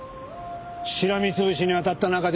しらみ潰しにあたった中で。